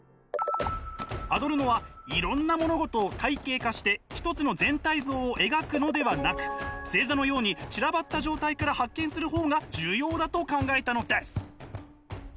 アドルノはいろんな物事を体系化して一つの全体像を描くのではなく星座のように散らばった状態から発見する方が重要だと考えたのです。